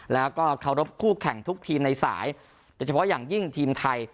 แล้วก็เคารพคู่แข่งทุกทีมในสายโดยเฉพาะอย่างยิ่งทีมไทย